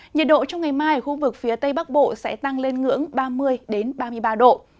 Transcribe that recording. nhiệt độ trong ngày mai ở khu vực phía tây bắc bộ sẽ tăng lên ngưỡng ba mươi ba mươi ba độ